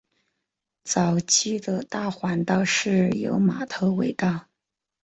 早期的大环道是由马头围道。